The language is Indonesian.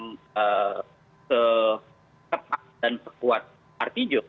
yang seketat dan sekuat pak artijo